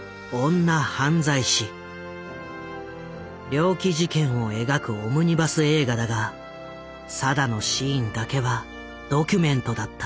猟奇事件を描くオムニバス映画だが定のシーンだけはドキュメントだった。